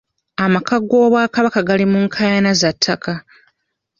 Amaka g'obwakabaka gali mu nkaayana za ttaka.